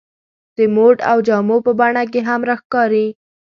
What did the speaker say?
د موډ او جامو په بڼه کې هم راښکاري.